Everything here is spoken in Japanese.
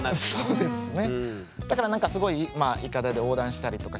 そうですね。